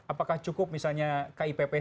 apakah cukup misalnya kipp saja gitu kan